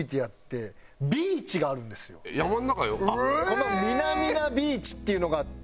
このミナミナビーチっていうのがあって。